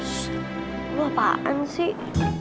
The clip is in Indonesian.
shhh lu apaan sih